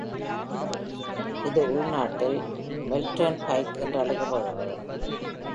இது உள்நாட்டில் Marlton Pike என்று அழைக்கப்படுகிறது.